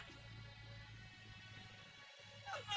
pak pidiklah ayamnya